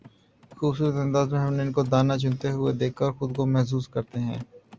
خوبصورت انداز میں ہم ان کو دانہ چنتے ہوئے دیکھ کر خود کو محظوظ کرتے ہیں